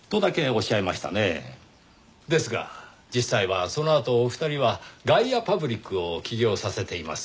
ですが実際はそのあとお二人はガイアパブリックを起業させています。